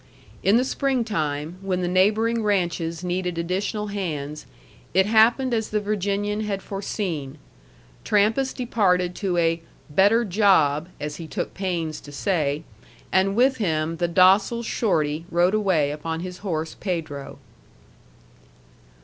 In the springtime, when the neighboring ranches needed additional hands, it happened as the Virginian had foreseen, Trampas departed to a "better job," as he took pains to say, and with him the docile Shorty rode away upon his horse Pedro.